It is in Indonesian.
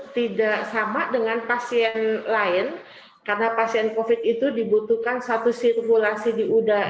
tidak sama dengan passion lain karena passion copy itu dibutuhkan satu sirkulasi di udah